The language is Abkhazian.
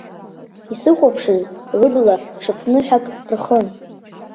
Исыхәаԥшыз лыбла ҽыԥныҳәак рхын.